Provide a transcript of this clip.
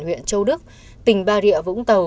huyện châu đức tỉnh bà rịa vũng tàu